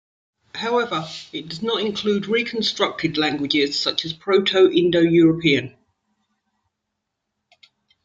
However, it does not include reconstructed languages such as Proto-Indo-European.